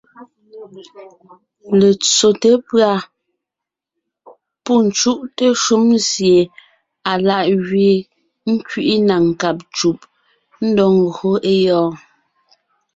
Letsóte pʉ̀a pɔ́ pû cúʼte shúm sie alá’ gẅeen, ńkẅiʼi na nkáb ncùb, ńdɔg ńgÿo é gyɔ́ɔn.